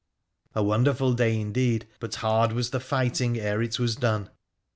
A wonderful day, indeed ; but hard was the fighting ere it was done.